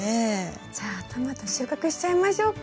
じゃあトマト収穫しちゃいましょうか。